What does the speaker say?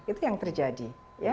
itu yang terjadi